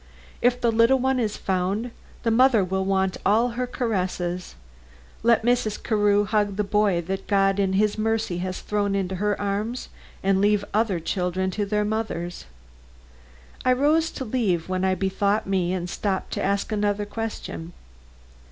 "If the little one is found, the mother will want all her caresses. Let Mrs. Carew hug the boy that God in his mercy has thrown into her arms and leave other children to their mothers." I rose to leave, when I bethought me and stopped to ask another question.